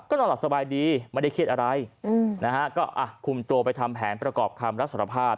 ก็นอนหลับสบายดีไม่ได้เคลียดอะไรก็คุมตัวไปทำแผนประกอบคำรักษภาพ